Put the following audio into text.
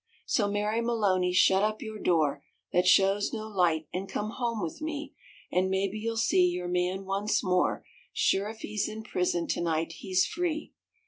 So Mary Maloney, shut up your door That shows no light, and come home with me, And maybe you'll see your man once more ; Sure if he's in prison to night he's free